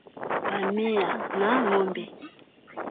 ngamia na ngombe